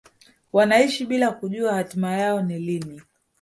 wanaishi bila kujua hatima yao ni lini